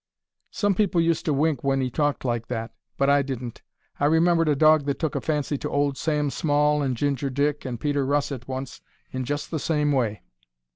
Some people used to wink when 'e talked like that, but I didn't: I remembered a dog that took a fancy to old Sam Small and Ginger Dick and Peter Russet once in just the same way.